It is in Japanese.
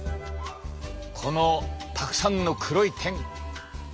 このたくさんの黒い点。